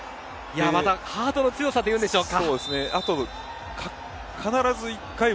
ハートの強さと言うんでしょうか。